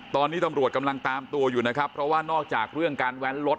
ตอนนี้ตำรวจกำลังตามตัวอยู่นะครับเพราะว่านอกจากเรื่องการแว้นรถ